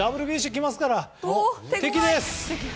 ＷＢＣ来ますから、敵です！